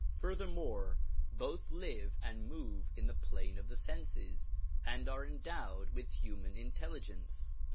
Furthermore both live and move in the plane of the senses and are endowed with human intelligence.